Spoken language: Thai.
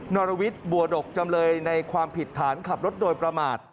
รวิทย์บัวดกจำเลยในความผิดฐานขับรถโดยประมาท